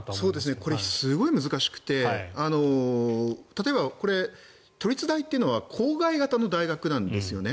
これ、すごい難しくて例えば、都立大というのは郊外型の大学なんですよね。